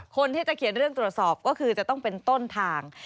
คนที่จะเขียนเรื่องตรวจสอบก็คือจะต้องเป็นต้นทาง